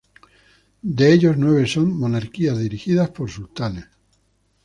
De ellos, nueve son monarquías dirigidas por sultanes.